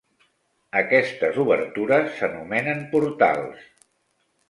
Aquestes obertures s'anomenen portals.